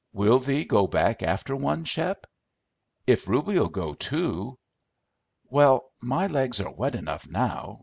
"Will thee go back after one, Shep?" "If Reuby'll go, too." "Well, my legs are wet enough now.